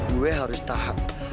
gue harus tahan